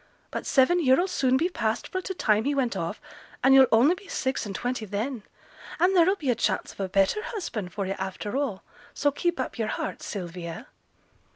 But seven year 'll soon be past fro' t' time he went off, and yo'll only be six and twenty then; and there'll be a chance of a better husband for yo' after all, so keep up yo'r heart, Sylvia.'